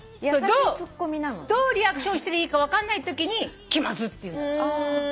どうリアクションしたらいいか分かんないときに「きまず」って言うの。